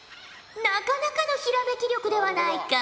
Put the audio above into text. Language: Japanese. なかなかのひらめき力ではないか。